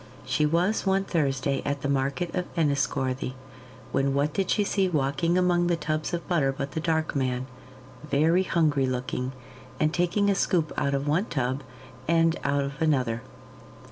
She was one Thursday at the market of Enniscorthy, when what did she see walking among the tubs of butter but the Dark Man, very hungry looking, and taking a scoop out of one tub and out of another.